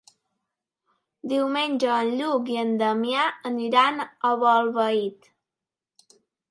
Diumenge en Lluc i en Damià aniran a Bolbait.